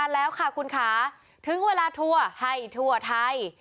แล้วค่ะคุณค่ะถึงเวลาทัวร์ให้ทั่วไทย